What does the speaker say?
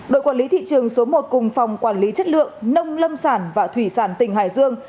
đội quản lý thị trường số một cùng phòng quản lý chất lượng nông lâm sản và thủy sản tỉnh hải dương